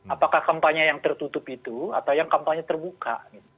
apakah kampanye yang tertutup itu atau yang kampanye terbuka